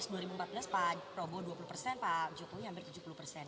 dua ribu empat belas pak prabowo dua puluh persen pak jokowi hampir tujuh puluh persen